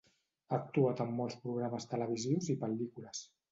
Ha actuat en molts programes televisius i pel·lícules.